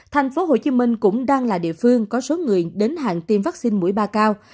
tp hcm cũng đang là địa phương có số người đến hạng tiêm vaccine mũi ba cao